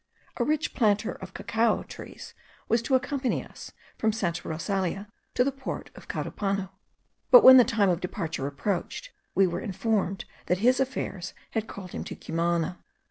A rich planter of cacao trees was to accompany us from Santa Rosalia to the port of Carupano; but when the time of departure approached, we were informed that his affairs had called him to Cumana.